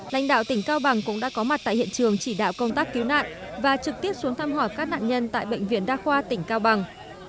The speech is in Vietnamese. lãnh đạo tỉnh cao bằng cũng đã có mặt tại hiện trường chỉ đạo công tác cứu nạn và trực tiếp xuống thăm hỏi các nạn nhân tại bệnh viện đa khoa tỉnh cao bằng